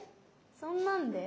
そんなんで？